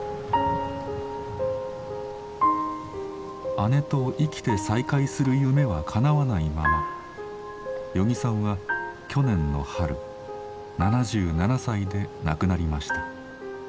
姉と生きて再会する夢はかなわないまま与儀さんは去年の春７７歳で亡くなりました。